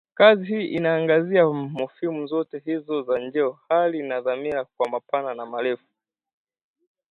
Kazi hii inaangazia mofimu zote hizo za njeo, hali na dhamira kwa mapana na marefu